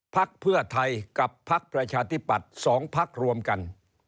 พักเพื่อไทยกับพักประชาธิปัตย์๒พักรวมกัน